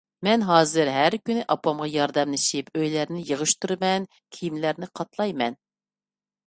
مەن ھازىر ھەر كۈنى ئاپامغا ياردەملىشىپ ئۆيلەرنى يىغىشتۇرىمەن، كىيىملەرنى قاتلايمەن.